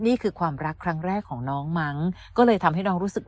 นี่คือความรักครั้งแรกของน้องมั้งก็เลยทำให้น้องรู้สึก